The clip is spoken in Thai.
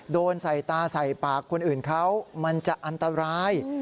โดนใส่ตาใส่ปากคนอื่นเขามันจะอันตราย